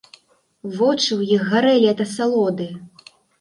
Вочы ў іх гарэлі ад асалоды.